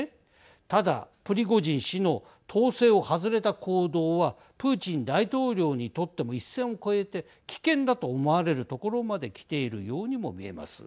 ただ、プリゴージン氏の統制を外れた行動はプーチン大統領にとっても一線を越えて危険だと思われるところまできているようにも見えます。